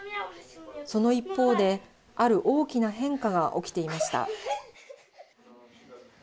その一方で、ある大きな変化が起きていました。